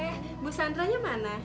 eh bu sandranya mana